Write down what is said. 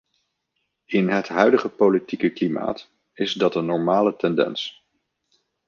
In het huidige politieke klimaat is dat een normale tendens.